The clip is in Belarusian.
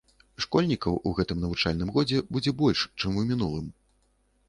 Школьнікаў у гэтым навучальным годзе будзе больш, чым у мінулым.